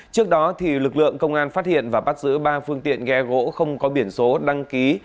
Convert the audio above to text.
trước đó lực lượng công an phát hiện và bắt giữ ba phương tiện ghe gỗ không có biển số đăng ký